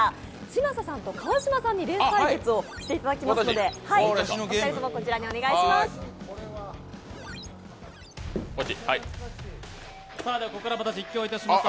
嶋佐さんと川島さんにレース対決をしていただきますので２人ともこちらにお願いします。